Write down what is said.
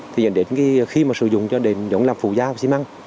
thì dẫn đến khi mà sử dụng cho đến giống làm phụ gia của xi măng